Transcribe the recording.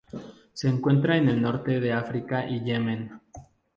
Se encuentra en el norte de África y Yemen.